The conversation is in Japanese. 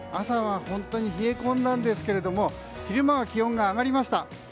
朝は本当に冷え込んだんですけれど昼間は気温が上がりました。